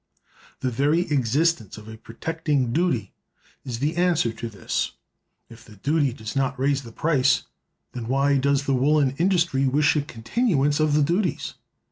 The very existence of a protecting duty is the answer to this. If the duty does not raise the price, then why does the woolen industry wish a continuance of the duties?